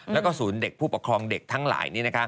แล้วก็ศูนย์เด็กผู้ปกครองเด็กทั้งหลาย